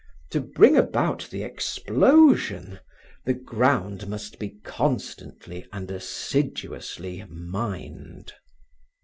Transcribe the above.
To bring about the explosion, the ground must be constantly and assiduously mined.